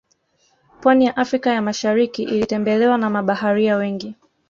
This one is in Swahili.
Pwani ya afrika ya masharikii ilitembelewa na mabaharia wengi